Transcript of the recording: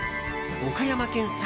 岡山県産